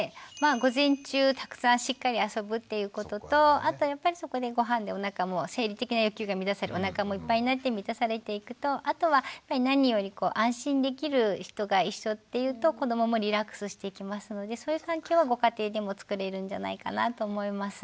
午前中たくさんしっかり遊ぶっていうこととあとやっぱりそこでごはんでおなかも生理的な欲求が満たされるおなかもいっぱいになって満たされていくとあとはやっぱり何より安心できる人が一緒っていうと子どももリラックスしていきますのでそういう環境はご家庭でも作れるんじゃないかなと思います。